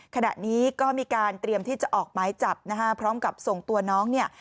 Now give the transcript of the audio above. ขณะนี้ก็มีการเตรียมที่จะออกหมายจับนะฮะพร้อมกับส่งตัวน้องเนี่ย